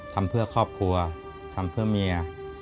ทำเพื่อครอบครัวทำเพื่อเมีย